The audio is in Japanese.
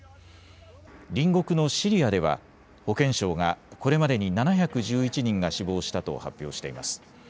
隣国のシリアでは保健省がこれまでに７１１人が死亡したと発表しています。